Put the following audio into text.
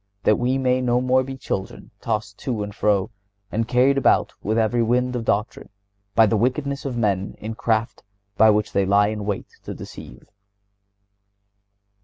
that we may no more be children, tossed to and fro, and carried about with every wind of doctrine, by the wickedness of men, in craft, by which they lie in wait to deceive."